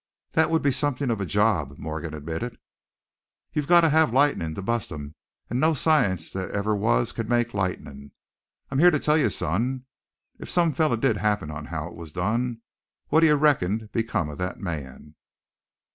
"That would be something of a job," Morgan admitted. "You've got to have lightnin' to bust 'em, and no science that ever was can't make lightnin', I'm here to tell you, son. If some feller did happen on how it was done, what do you reckon'd become of that man?"